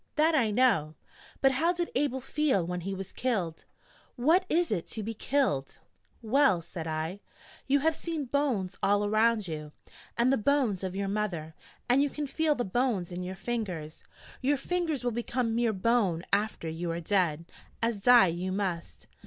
'That I know. But how did Abel feel when he was killed? What is it to be killed?' 'Well,' said I, 'you have seen bones all around you, and the bones of your mother, and you can feel the bones in your fingers. Your fingers will become mere bone after you are dead, as die you must.